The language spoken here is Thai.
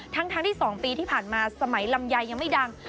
ทั้งที่๒ปีที่ผ่านมาสมัยลำไยยังไม่ดัง